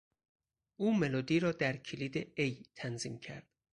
او ملودی را در کلید A تنظیم کرد.